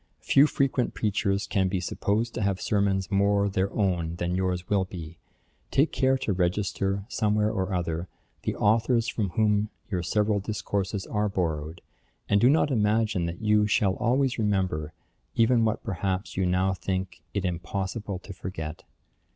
Few frequent preachers can be supposed to have sermons more their own than yours will be. Take care to register, somewhere or other, the authours from whom your several discourses are borrowed; and do not imagine that you shall always remember, even what perhaps you now think it impossible to forget.